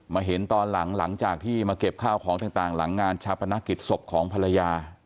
เห็นตอนหลังหลังจากที่มาเก็บข้าวของต่างหลังงานชาปนกิจศพของภรรยา